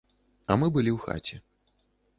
А мы былі ў хаце.